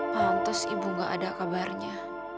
pantas ibu gak ada kabarnya